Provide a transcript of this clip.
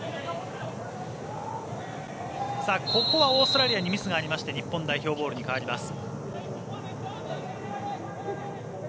ここはオーストラリアにミスがありまして日本代表ボールに変わります。